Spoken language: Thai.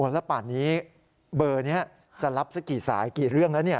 แล้วป่านนี้เบอร์นี้จะรับสักกี่สายกี่เรื่องแล้ว